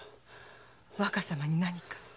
若様に何か？